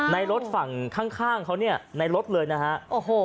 รถฝั่งข้างเขาเนี่ยในรถเลยนะฮะโอ้โห